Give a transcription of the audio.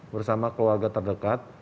bersama keluarga terdekat